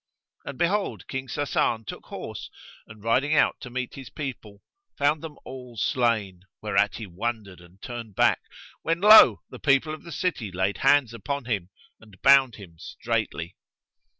And behold, King Sasan took horse and riding out to meet his people, found them all slain, whereat he wondered and turned back; when lo! the people of the city laid hands on him and bound him straitly.